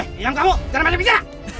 hey diam kamu jangan baca baca